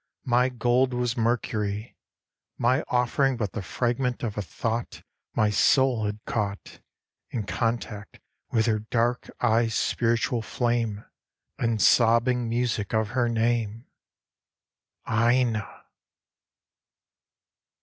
my gold was mercury ; My offering but the fragment of a thought My soul had caught In contact with her dark eyes' spiritual flamo ^ And sobbing music of her name, Aina